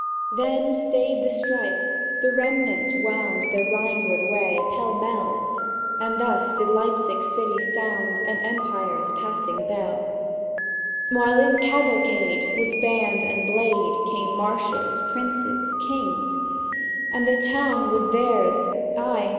"Then stayed the strife. The remnants wound Their Rhineward way pell mell; And thus did Leipzig City sound An Empire's passing bell; "While in cavalcade, with band and blade, Came Marshals, Princes, Kings; And the town was theirs ..